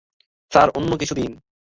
Sir, অন্য কিছু দিন।